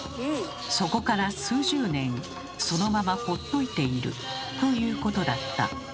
そこから数十年そのままほっといている」ということだった。